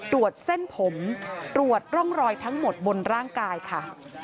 ตรวจเส้นผมตรวจร่องรอยทั้งหมดบนร่างกายค่ะ